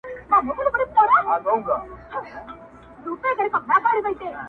نه هوس د ميراث پاته كم او لوى ته-